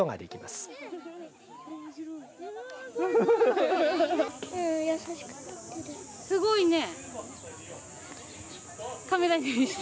すごいね。